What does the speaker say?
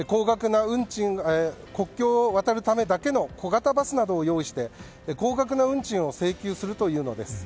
国境を渡るためだけの小型バスを用意して高額な運賃を請求するというのです。